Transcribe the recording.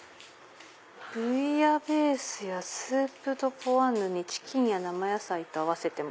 「ブイヤベースやスープ・ド・ポワソンにチキンや生野菜と合わせても」。